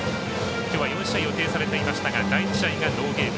きょうは４試合予定されていましたが第１試合がノーゲーム。